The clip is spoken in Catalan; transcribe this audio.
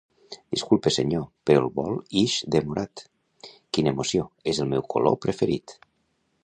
-Disculpe senyor, però el vol ix demorat. -Quina emoció, és el meu color preferit!